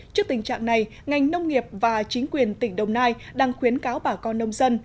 trước tình trạng này ngành nông nghiệp và chính quyền tỉnh đồng nai đang khuyến cáo bà con nông dân